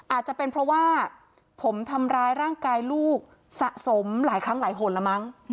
อาจจะเป็นเพราะว่าผมทำร้ายร่างกายลูกสะสมหลายครั้งหลายหนละมั้ง